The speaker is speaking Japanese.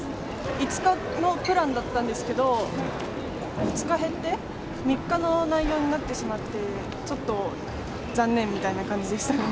５日のプランだったんですけど、２日減って、３日の内容になってしまって、ちょっと残念みたいな感じでしたね。